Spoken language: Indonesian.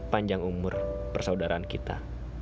panjang umur persaudaraan kita